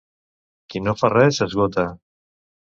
Qui no fa res, esgota.